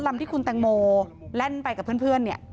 ลำที่คุณแตงโมแล่นไปกับเพื่อนเนี่ย